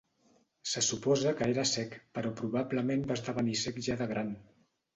Se suposa que era cec però probablement va esdevenir cec ja de gran.